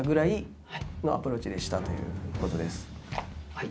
はい。